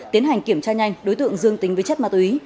tiến hành kiểm tra nhanh đối tượng dương tính với chất ma túy